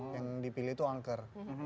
yang dipilih itu angker